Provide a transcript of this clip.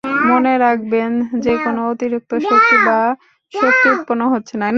মনে রাখবেন যে কোন অতিরিক্ত শক্তি বা শক্তি উৎপন্ন হচ্ছে না।